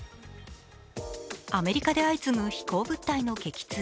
アメリカで相次ぐ飛行物体の撃墜。